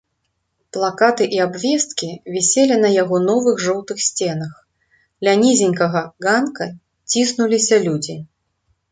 Плакаты і абвесткі віселі на яго новых жоўтых сценах, ля нізенькага ганка ціснуліся людзі.